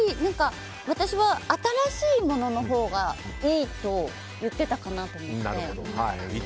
私は新しいもののほうがいいと言っていたかなと思って。